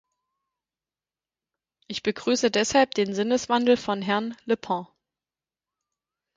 Ich begrüße deshalb den Sinneswandel von Herrn Le Pen.